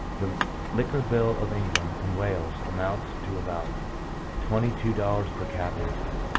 The liquor bill of England and Wales amounts to about twenty two dollars per capita.